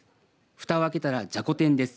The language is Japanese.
ふたを開けたら、じゃこ天です